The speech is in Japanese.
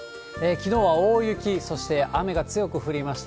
きのうは大雪、そして雨が強く降りました。